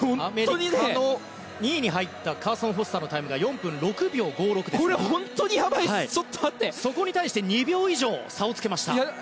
２位に入ったカーソン・フォスターのタイムが４分６秒５４ですからそこに対して２秒以上差をつけました。